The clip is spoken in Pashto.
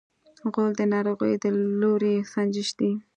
غول د ناروغۍ د لوری سنجش دی.